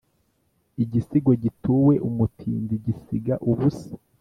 igisigo gituwe umutindi gisiga ubusa